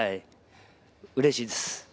うれしいです。